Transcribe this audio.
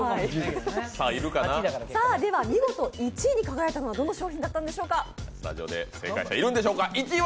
では、見事１位に輝いたのは、どの商品だったのでしょうか。